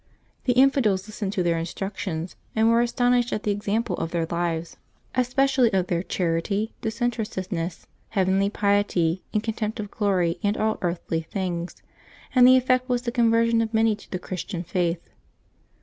The infidels listened to their instructions, and were astonished at the example of their lives, especially of 344 LIVES OF THE SAINTS [Ootobeb 26 their charity, disinterestedness, heavenly piety, and con tempt of glory and all earthly things; and the effect was the conversion of many to the Christian faith.